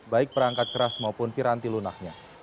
baik perangkat keras maupun piranti lunaknya